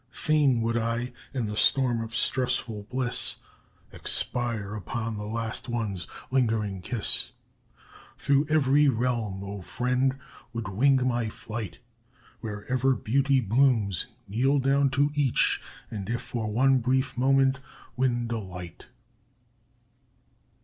Fain would I, in the storm of stressful bliss, Expire upon the last one's lingering kiss! Through every realm, O friend, would wing my flight, Wherever Beauty blooms, kneel down to each, And if for one brief moment, win delight!"